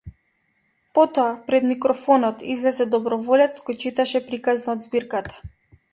Потоа пред микрофонот излезе доброволец кој читаше приказна од збирката.